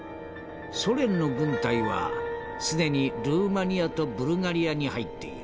ソ連の軍隊は既にルーマニアとブルガリアに入っている。